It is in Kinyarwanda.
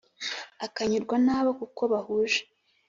akanyurwa n’abo kuko bahuje